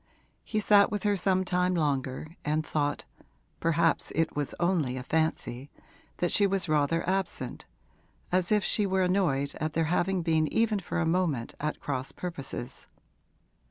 He sat with her some time longer and thought perhaps it was only a fancy that she was rather absent, as if she were annoyed at their having been even for a moment at cross purposes.